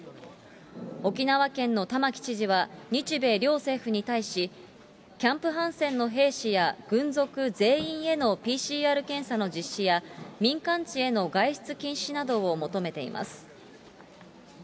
沖縄県の玉城知事は日米両政府に対し、キャンプ・ハンセンの兵士や軍属全員へのＰＣＲ検査の実施や、民間地への外出禁止などを求めています。